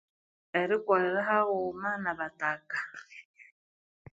Erikolerahaghuma nabathaka